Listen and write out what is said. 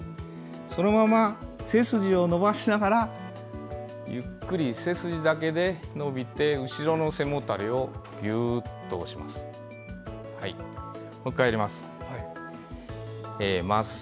そのまま背筋を伸ばしながらゆっくり背筋だけで伸びて後ろの背もたれをギュッと押します。